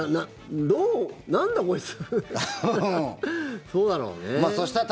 なんだこいつ？